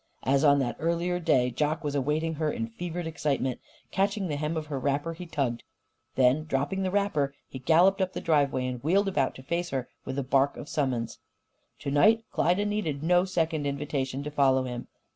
As on that earlier day, Jock was awaiting her in fevered excitement. Catching the hem of her wrapper, he tugged. Then, dropping the wrapper, he galloped up the driveway and wheeled about to face her with a bark of summons. To night Klyda needed no second invitation to follow him.